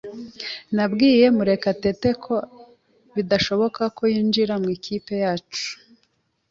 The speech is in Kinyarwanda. Nabwiye Murekatete ko bidashoboka ko yinjira mu ikipe yacu.